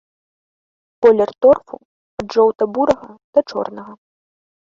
Колер торфу ад жоўта-бурага да чорнага.